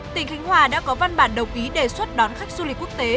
tỉnh khánh hòa đã có văn bản đầu ký đề xuất đón khách du lịch quốc tế